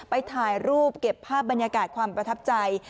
ไปถ่ายรูปเก็บภาพบรรยากาศความประทับใจ